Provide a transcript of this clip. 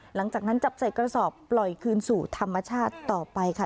หลังจากนั้นจับใส่กระสอบปล่อยคืนสู่ธรรมชาติต่อไปค่ะ